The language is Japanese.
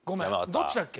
どっちだっけ？